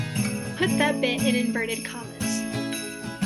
Put that bit in inverted commas.